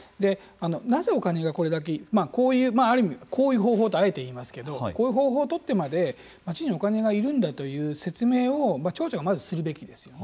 なぜお金がこれだけこういう、ある意味こういう方法ってあえて言いますけどこういう方法を取ってまで町にお金が要るんだという説明を町長がまず、するべきですよね。